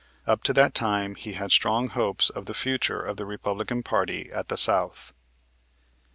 Up to that time he had strong hopes of the future of the Republican party at the South.